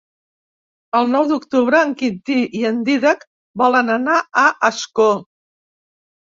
El nou d'octubre en Quintí i en Dídac volen anar a Ascó.